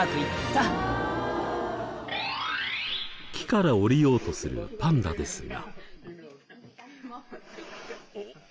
木から下りようとするパンダですが。